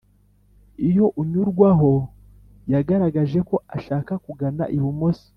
iyo unyurwaho yagaragajeko ashaka kugana ibumoso